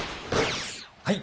はい。